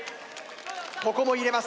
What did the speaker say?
ここも入れます。